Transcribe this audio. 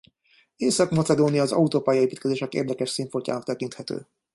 Észak-Macedónia az autópálya-építkezések érdekes színfoltjának tekinthető.